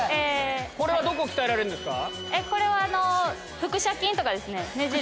これはどこを鍛えられるんですか？